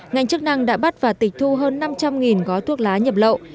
ngành chức năng đã bắt và tịch thu hơn năm trăm linh gói thuốc lá nhập lậu